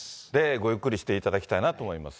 ごゆっくりしていただきたいなと思います。